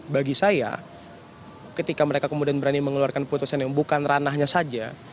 bagi saya ketika mereka kemudian berani mengeluarkan putusan yang bukan ranahnya saja